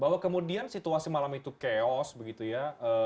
bahwa kemudian situasi malam itu chaos begitu ya